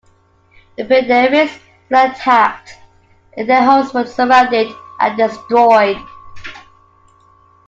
The Pindaris were attacked, and their homes were surrounded and destroyed.